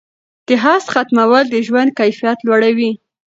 د حسد ختمول د ژوند کیفیت لوړوي.